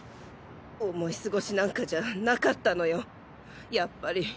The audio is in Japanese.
思い過ごしなんかじゃなかったのよやっぱり。